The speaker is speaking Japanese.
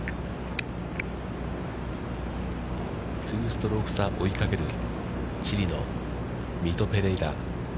２ストローク差を追いかけるチリのミト・ペレイラ。